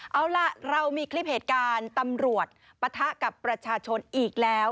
เอาล่ะเรามีคลิปเหตุการณ์ตำรวจปะทะกับประชาชนอีกแล้ว